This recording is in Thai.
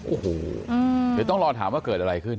โอ้โหเดี๋ยวต้องรอถามว่าเกิดอะไรขึ้น